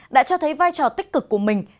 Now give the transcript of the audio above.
đã cho thấy vai trò tích cực của mình